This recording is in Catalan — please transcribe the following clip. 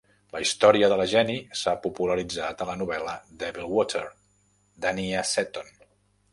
La història de la Jenny s'ha popularitzat a la novel·la "Devil Water" d'Anya Seton.